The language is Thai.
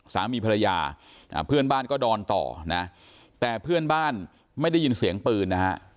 สามีภรรยาเพื่อนบ้านก็นอนต่อนะแต่เพื่อนบ้านไม่ได้ยินเสียงปืนนะฮะ